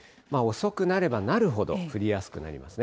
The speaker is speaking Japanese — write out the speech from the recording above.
遅くなればなるほど降りやすくなりますね。